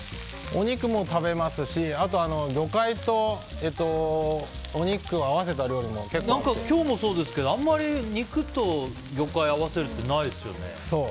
お肉も食べますし魚介とお肉を合わせた料理も今日もそうですけどあんまり肉と魚介を合わせるってないですよね。